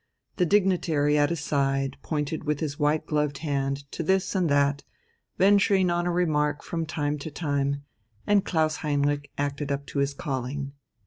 The dignitary at his side pointed with his white gloved hand to this and that, venturing on a remark from time to time, and Klaus Heinrich acted up to his calling.